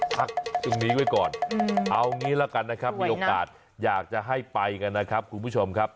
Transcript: พักตรงนี้ไว้ก่อนเอางี้ละกันนะครับมีโอกาสอยากจะให้ไปกันนะครับคุณผู้ชมครับ